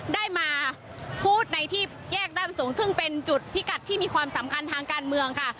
ได้มาพูดในที่แยกด้านประสงค์ซึ่งเป็นจุดพิกัดที่มีความสำคัญทางการเมืองค่ะ